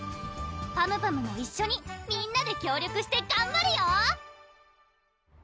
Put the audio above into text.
パムパムも一緒にみんなで協力してがんばるよ！